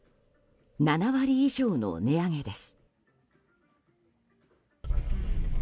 ７割以上の値上げです。